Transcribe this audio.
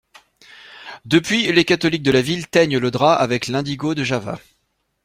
Depuis, les catholiques de la ville teignent le drap avec l'indigo de Java.